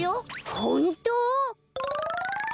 ホント！？